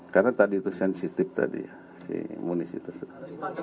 karena tadi itu sensitif tadi si munisi tersebut